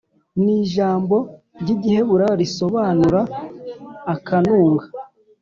Ni ijambo ry igiheburayo risobanura akanunga